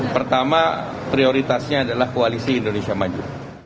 pertama prioritasnya adalah koalisi indonesia maju